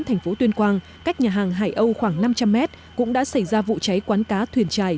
thành phố tuyên quang cách nhà hàng hải âu khoảng năm trăm linh m cũng đã xảy ra vụ cháy quán cá thuyền trài